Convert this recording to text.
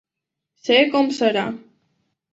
Sé com serà.